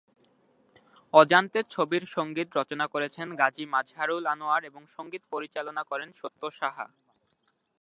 অজান্তে ছবির সঙ্গীত রচনা করেছেন গাজী মাজহারুল আনোয়ার এবং সঙ্গীত পরিচালনা করেন সত্য সাহা।